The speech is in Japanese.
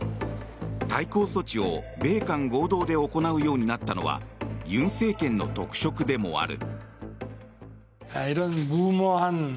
対抗措置を米韓合同で行うようになったのは尹政権の特色でもある。